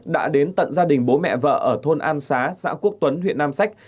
đã đến tận gia đình bố mẹ vợ ở thôn an xá xã quốc tuấn huyện nam sách